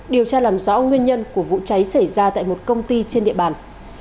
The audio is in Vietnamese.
điều tra làm rõ nguyên nhân của vụ cháy xảy ra tại một công ty trên địa bàn